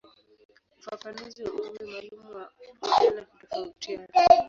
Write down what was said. Ufafanuzi wa umri maalumu wa ujana hutofautiana.